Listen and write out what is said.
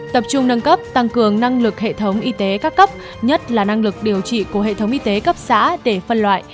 tập trung nâng cấp tăng cường năng lực hệ thống y tế các cấp nhất là năng lực điều trị của hệ thống y tế cấp xã để phân loại